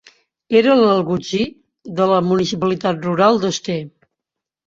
Era l'algutzir de la municipalitat rural de Ste.